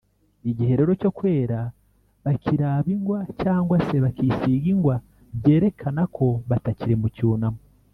Igihe rero cyo kwera bakiraba ingwa cyangwa se bakisiga ingwa byerekana ko batakiri mu cyunamo